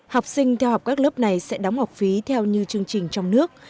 học sinh theo học các lớp này sẽ đóng học phí theo như chương trình trong nước